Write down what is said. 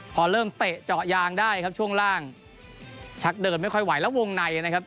พอเริ่มเตะเจาะยางได้ครับช่วงล่างชักเดินไม่ค่อยไหวแล้ววงในนะครับ